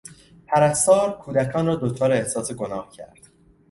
پرستار کودکان را دچار احساس گناه کرد.